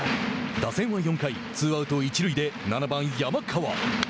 打線は４回ツーアウト、一塁で７番山川。